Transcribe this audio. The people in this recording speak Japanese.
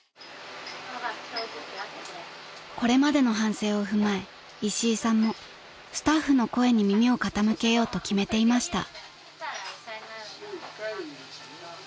［これまでの反省を踏まえ石井さんもスタッフの声に耳を傾けようと決めていました］